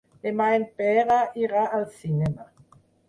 Demà en Pere irà al cinema.